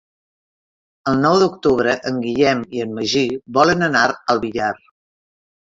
El nou d'octubre en Guillem i en Magí volen anar al Villar.